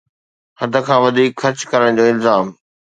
حد کان وڌيڪ خرچ ڪرڻ جو الزام